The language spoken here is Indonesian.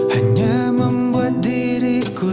hanya membuat diriku